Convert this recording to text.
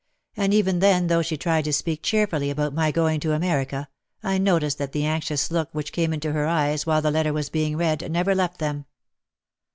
And even then though she tried to speak cheerfully about my going to America, I noticed that the anxious look which came into her eyes while the letter was being read, never left them.